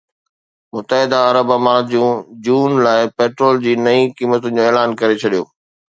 متحده عرب امارات June June لاءِ پيٽرول جي نئين قيمتن جو اعلان ڪري ڇڏيو